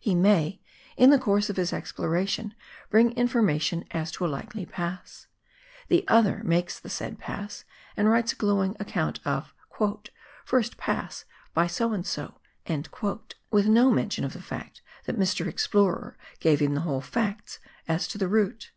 He may, in the course of his exploration, bring information as to a likely pass ; the other makes the said pass and writes a glowing account of " First pass by So and so," with no mention of the fact that Mr. Explorer gave him the whole facts as to the route.